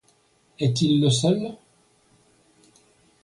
Est-il le seul?